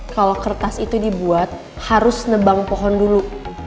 kalau kertas itu dibuat harus nebang pohon dulu